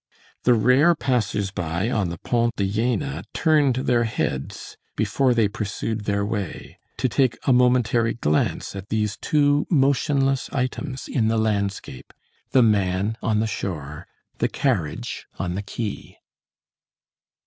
The rare passers by on the Pont de Jéna turned their heads, before they pursued their way, to take a momentary glance at these two motionless items in the landscape, the man on the shore, the carriage on the quay.